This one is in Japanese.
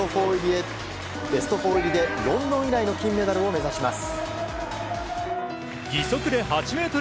ベスト４入りでロンドン以来の金メダルを目指します。